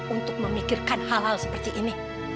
untuk memikirkan hal hal seperti ini